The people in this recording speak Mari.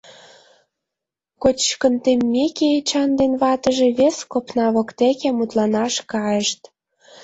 Кочкын теммеке, Эчан ден ватыже вес копна воктеке мутланаш кайышт.